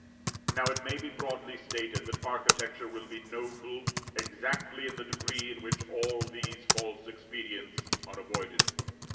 Now, it may be broadly stated, that architecture will be noble exactly in the degree in which all these false expedients are avoided.